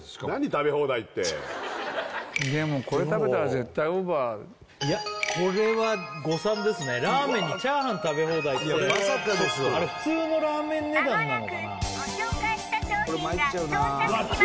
食べ放題ってこれは誤算ですねラーメンにチャーハン食べ放題ってまさかですわあれ普通のラーメン値段なのかなまもなくご紹介した商品が到着します